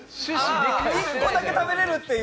１個だけ食べれるっていう。